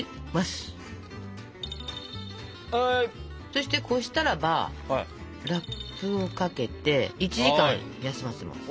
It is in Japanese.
そしてこしたらばラップをかけて１時間休ませます。